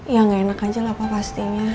ya nggak enak aja lah pak pastinya